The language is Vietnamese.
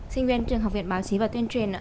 sinh viên trường học viện báo chí và tuyên truyền